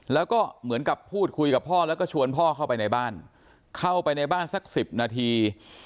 แล้วก็เหมือนกับพูดคุยกับพ่อแล้วก็ชวนพ่อเข้าไปในบ้านเข้าไปในบ้านสัก๑๐นาที